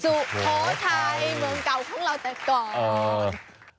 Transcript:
สุโขทัยเมืองเก่าของเราแต่ก่อน